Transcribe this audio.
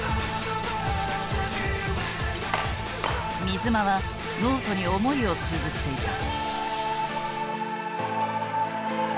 水間はノートに思いをつづっていた。